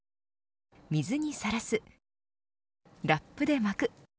水にさらすラップで巻く。